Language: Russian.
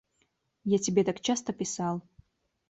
Я тебе так часто писал.